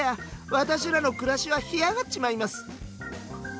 私らの暮らしは干上がっちまいます」。